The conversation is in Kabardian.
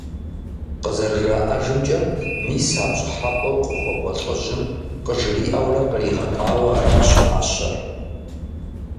Зэрыжаӏэжымкӏэ, мис а пщӏыхьэпӏэу къыхуэкӏуэ лӏыжьым къыжриӏэурэ къригъэтӏауэ аращ мащэр.